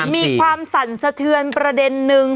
มีความสั่นสะเทือนประเด็นนึง